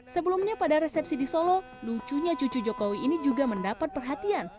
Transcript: sebelumnya pada resepsi di solo lucunya cucu jokowi ini juga mendapat perhatian